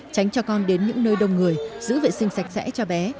tránh cho con đến những nơi đông người giữ vệ sinh sạch sẽ cho bé